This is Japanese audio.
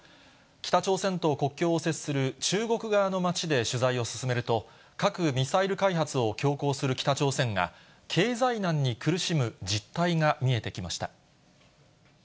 北朝鮮と国境を接する中国側の町で取材を進めると、核・ミサイル開発を強行する北朝鮮が、経済難に苦しむ実態が見えてきました。